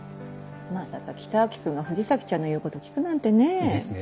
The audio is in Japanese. まさか北脇君が藤崎ちゃんの言うこと聞くなんてねぇ。ですね。